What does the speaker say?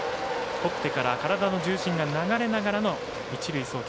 とってから体の重心が流れながらの一塁送球。